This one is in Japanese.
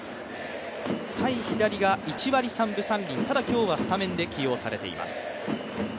対左が１割３分３厘、ただ今日はスタメンで起用されています。